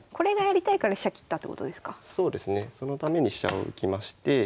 そのために飛車を浮きまして。